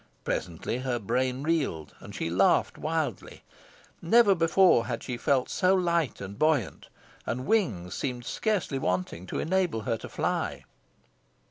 Presently her brain reeled, and she laughed wildly. Never before had she felt so light and buoyant, and wings seemed scarcely wanting to enable her to fly.